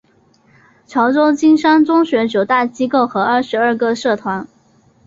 潮州金山中学九大机构和二十二个社团。